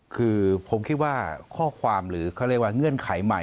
คือผมคิดว่าข้อความหรือเขาเรียกว่าเงื่อนไขใหม่